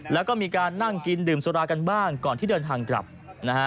แล้วก็มีการนั่งกินดื่มสุรากันบ้างก่อนที่เดินทางกลับนะฮะ